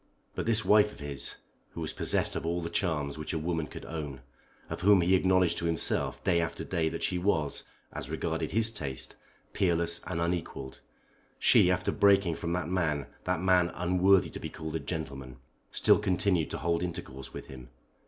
But this wife of his, who was possessed of all the charms which a woman could own, of whom he acknowledged to himself day after day that she was, as regarded his taste, peerless and unequalled, she after breaking from that man, that man unworthy to be called a gentleman, still continued to hold intercourse with him!